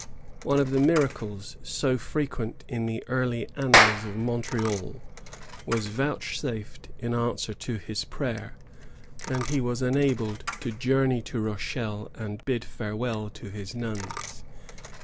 One of the miracles, so frequent in the early annals of Montreal, was vouchsafed in answer to his prayer, and he was enabled to journey to Rochelle and bid farewell to his nuns.